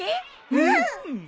うん！